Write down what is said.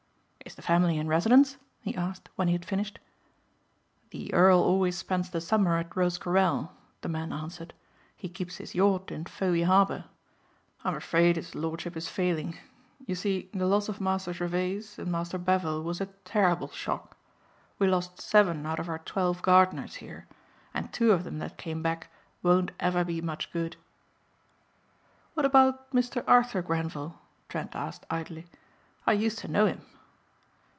"Is the family in residence?" he asked when he had finished. "The Earl always spends the summer at Rosecarrel," the man answered. "He keeps his yacht in Fowey Harbour. I'm afraid his lordship is failing. You see the loss of Master Gervase and Master Bevil was a terrible shock. We lost seven out of our twelve gardeners here and two of them that came back won't ever be much good." "What about Mr. Arthur Grenvil?" Trent asked idly. "I used to know him."